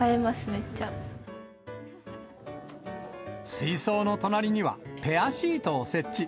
水槽の隣には、ペアシートを設置。